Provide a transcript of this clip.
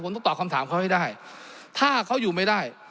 ผมต้องตอบคำถามเขาให้ได้ถ้าเขาอยู่ไม่ได้